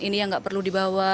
ini yang nggak perlu dibawa